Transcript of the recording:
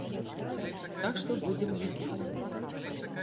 Так што будзем глядзець.